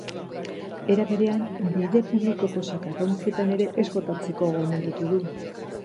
Era berean, bide publikoko zakarrontzietan ere ez botatzeko gomendatu du.